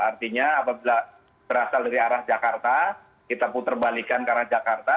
artinya apabila berasal dari arah jakarta kita putar balikan ke arah jakarta